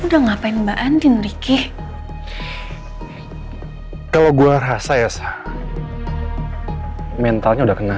udah ngapain mbak andin riki kalau gua rasa ya mentalnya udah kena